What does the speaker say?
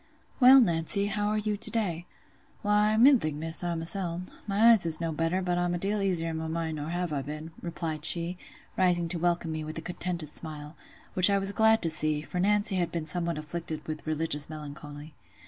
"Well, Nancy, how are you to day?" "Why, middling, Miss, i' myseln—my eyes is no better, but I'm a deal easier i' my mind nor I have been," replied she, rising to welcome me with a contented smile; which I was glad to see, for Nancy had been somewhat afflicted with religious melancholy.